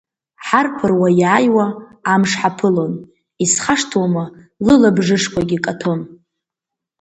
Ҳарԥыруа иааиуа амш ҳаԥылон, исхашҭуама, лылабжышқәагьы каҭәон.